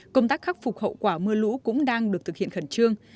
công tác khắc phục hậu quả mưa lũ cũng đang được thực hiện khẩn trương